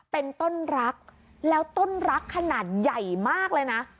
เป็นต้นรักแล้วต้นรักขนาดใหญ่มากเลยนะ